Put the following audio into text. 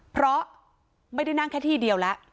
เพราะไม่ได้นั่งแค่ที่เดียวแล้ว